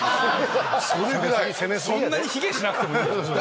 そんなに卑下しなくてもいいでしょ。